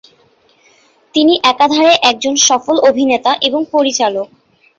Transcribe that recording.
তিনি একাধারে একজন সফল অভিনেতা এবং পরিচালক।